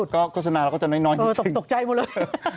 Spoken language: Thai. ก็โฆษณาเราก็จะน้อยจริงนะครับถูกใจหมดเลย